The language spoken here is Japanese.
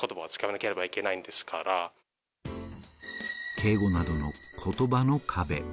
敬語などの言葉の壁。